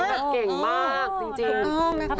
คือจะบอกว่าแพทย์นี้โอ้โฮเก่งมากจริง